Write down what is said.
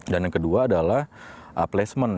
dan yang kedua adalah placement